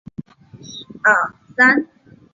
埃斯帕利圣马塞勒人口变化图示